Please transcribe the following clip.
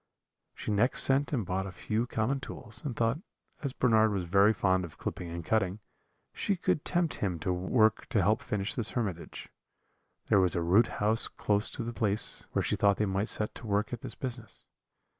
She next sent and bought a few common tools, and thought, as Bernard was very fond of clipping and cutting, she could tempt him to work to help finish this hermitage. There was a root house close to the place, where she thought they might set to work at this business.